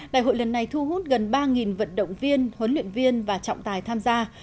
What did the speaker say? đại hội lần này thu hút gần ba vận động viên huấn luyện viên và trọng tài tham gia